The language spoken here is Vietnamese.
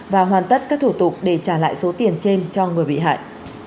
và hoàn tất các thủ tục để trả lại số tiền trên cho người bị hại